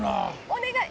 お願い！